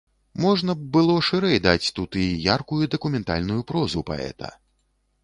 Можна б было шырэй даць тут і яркую дакументальную прозу паэта.